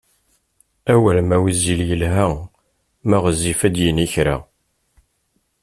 Awal ma wezzil yelha ma ɣezzif ad yini kra!